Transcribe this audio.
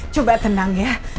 coba tenang ya